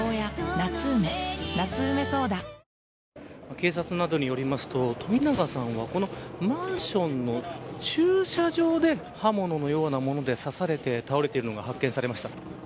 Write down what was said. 警察などによりますと冨永さんはこのマンションの駐車場で刃物のようなもので刺されて倒れているのが発見されました。